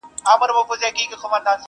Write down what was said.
چي پر خوله به یې راتله هغه کېدله،